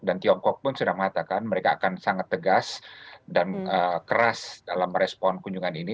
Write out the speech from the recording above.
dan tiongkok pun sudah mengatakan mereka akan sangat tegas dan keras dalam respon kunjungan ini